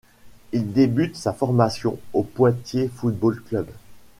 Il débute sa formation au Poitiers Football Club.